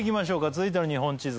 続いての日本地図